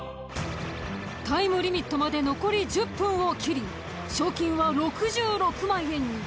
タイムリミットまで残り１０分を切り賞金は６６万円に。